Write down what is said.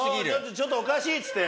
ちょっとおかしいっつって。